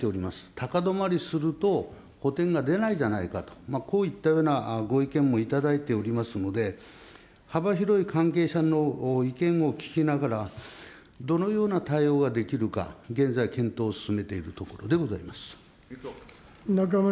高止まりすると、補填が出ないじゃないかと、こういったようなご意見も頂いておりますので、幅広い関係者の意見を聞きながら、どのような対応ができるか、現在、検討を進めているところでございます。